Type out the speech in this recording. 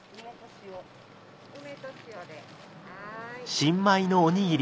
新米のおにぎり。